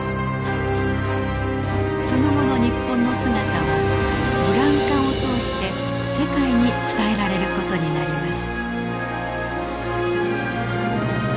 その後の日本の姿はブラウン管を通して世界に伝えられる事になります。